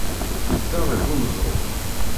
Yedda ɣer uneẓruf.